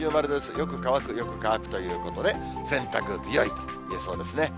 よく乾く、よく乾くということで、洗濯日和といえそうですね。